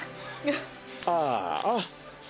ああ！